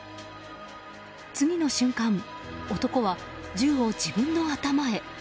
次の瞬間、男は銃を自分の頭へ。